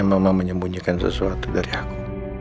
mama menyembunyikan sesuatu dari aku